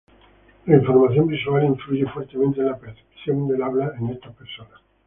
La información visual influye fuertemente en la percepción del habla en estas personas.